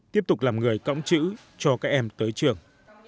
tiếp tục làm người cõng chữ cho các em tới trường